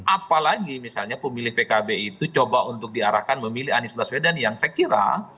apalagi misalnya pemilih pkb itu coba untuk diarahkan memilih anies baswedan yang saya kira